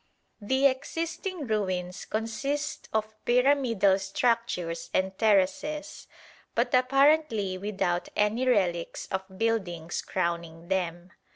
The existing ruins consist of pyramidal structures and terraces, but apparently without any relics of buildings crowning them.